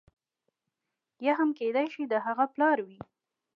یا هم کېدای شي د هغه پلار وي.